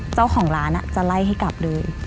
เจ้าของร้านจะไล่ให้กลับเลย